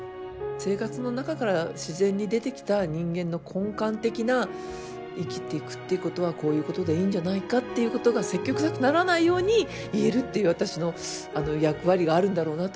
生活の中から自然に出てきた人間の根幹的な生きていくっていうことはこういうことでいいんじゃないかっていうことが説教臭くならないように言えるっていう私の役割があるんだろうなと思うんですよね。